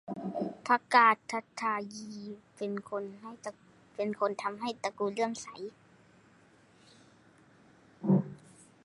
พระกาฬทายี เป็นผู้ทำให้ตระกูลเลื่อมใส